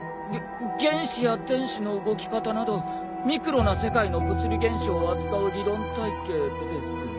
げ原子や電子の動き方などミクロな世界の物理現象を扱う理論体系です。